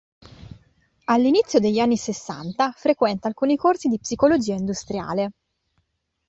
All'inizio degli anni sessanta, frequenta alcuni corsi di psicologia industriale.